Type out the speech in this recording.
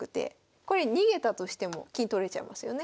これ逃げたとしても金取られちゃいますよね。